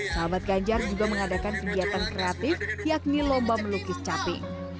sahabat ganjar juga mengadakan kegiatan kreatif yakni lomba melukis capi